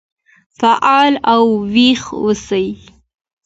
فعال او ويښ اوسئ.